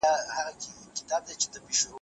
تاسو بايد د سياست په اړه د علمي اصولو کار واخلئ.